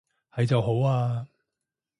係就好啊